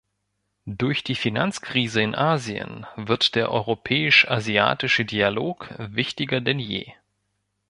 Durch die Finanzkrise in Asien wird der europäischasiatische Dialog wichtiger denn je.